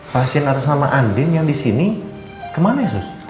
pasien atas nama andin yang di sini kemana ya